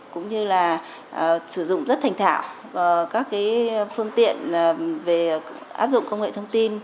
cũng như là sử dụng rất thành thảo các phương tiện về áp dụng công nghệ thông tin